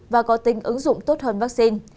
và có tin ứng dụng tốt hơn vaccine